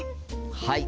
はい！